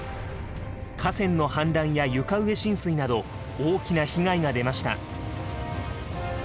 河川の氾濫や床上浸水など大きな被害が出ました。